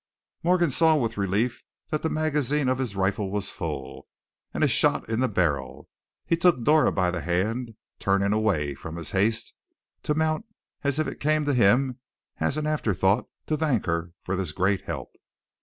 Morgan saw with relief that the magazine of his rifle was full, and a shot in the barrel. He took Dora by the hand, turning away from his haste to mount as if it came to him as an after thought to thank her for this great help.